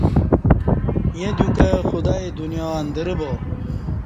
ایں دیوکں خدایا دنیااندرہ با